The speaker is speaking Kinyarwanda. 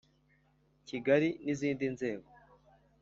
kigali n izindi nzego